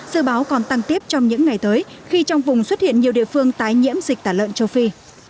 dự báo còn tăng tiếp trong những ngày tới khi trong vùng xuất hiện nhiều địa phương tái nhiễm dịch tả lợn châu phi